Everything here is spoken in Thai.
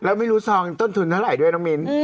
แล้วไม่รู้ซองต้นทุนเท่าไหร่ด้วยน้องมิ้น